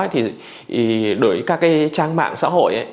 đối với các trang mạng xã hội